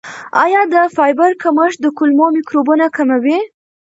آیا د فایبر کمښت د کولمو میکروبونه کموي؟